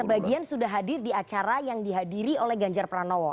sebagian sudah hadir di acara yang dihadiri oleh ganjar pranowo